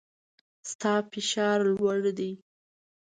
ستا فشار لوړ دی